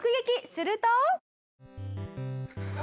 すると。